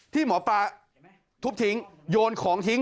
ที่หมอปลาทุบทิ้งโยนของทิ้ง